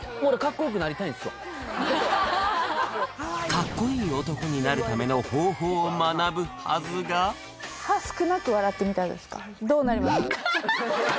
かっこいい男になるための方法を学ぶはずがどうなります？